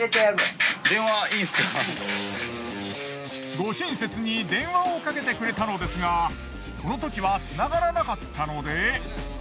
ご親切に電話をかけてくれたのですがこのときは繋がらなかったので。